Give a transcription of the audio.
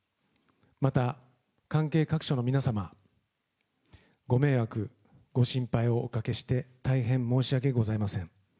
また関係各所の皆様、ご迷惑、ご心配をおかけして大変申し訳ございません。